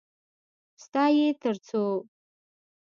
_ستا يې تر څو؟